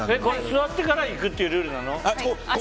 座ってから行くっていうルールなの？